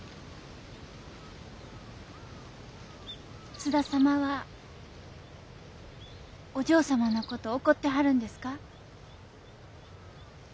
津田様はお嬢様のことを怒ってはるんですか？